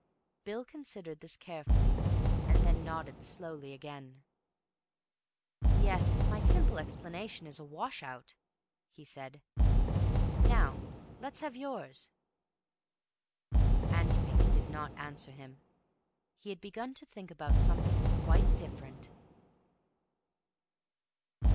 Bill considered this carefully, and then nodded slowly again. "Yes, my simple explanation is a wash out," he said. "Now let's have yours." Antony did not answer him. He had begun to think about something quite different.